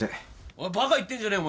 おいバカ言ってんじゃねえ！